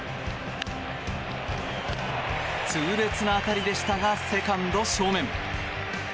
痛烈な当たりでしたがセカンド正面。